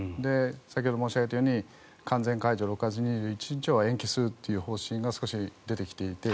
先ほど申し上げたように完全解除、６月２１日を延期するという方針が少し出てきていて。